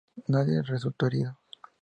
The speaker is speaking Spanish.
Nadie resultó herido.